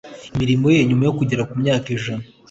imirimo ye nyuma yo kugeza ku myaka ijana